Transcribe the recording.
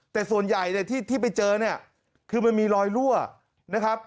แต่ส่วนใหญ่เนี่ยที่ไปเจอเนี่ยคือมันมีรอยรั่วนะครับ